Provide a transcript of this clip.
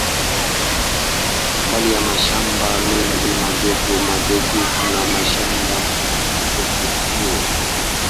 Mbali ya mashamba mengi madogo madogo, kuna mashamba makubwa ya miwa.